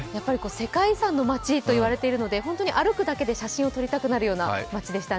世界遺産の街といわれているので歩くだけで写真を撮りたくなる街でした。